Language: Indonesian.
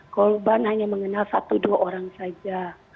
korban hanya mengenal satu dua orang saja